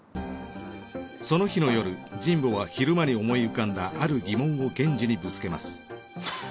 その日の夜神保は昼間に思い浮かんだある疑問を源次にぶつけます。